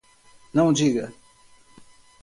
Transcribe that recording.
Não diga